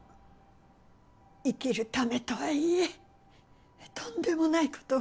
生きるためとはいえとんでもないことを。